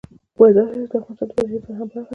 مزارشریف د افغانستان د بشري فرهنګ برخه ده.